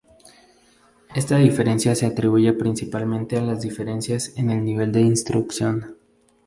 Esta diferencia se atribuye principalmente a las diferencias en el nivel de instrucción.